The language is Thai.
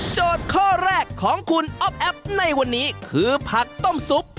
ข้อแรกของคุณอ๊อฟแอฟในวันนี้คือผักต้มซุป